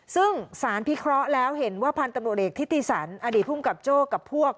ซึ่งสารพิเคราะห์แล้วเห็นว่าพันธุ์ตำรวจเอกทิติสันอดีตภูมิกับโจ้กับพวก